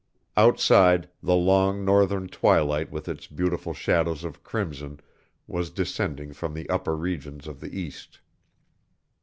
Outside, the long Northern twilight with its beautiful shadows of crimson was descending from the upper regions of the east.